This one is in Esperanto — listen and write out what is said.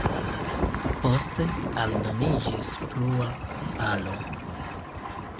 Poste aldoniĝis plua alo.